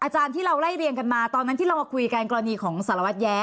อาจารย์ที่เราไล่เรียงกันมาตอนนั้นที่เรามาคุยกันกรณีของสารวัตรแย้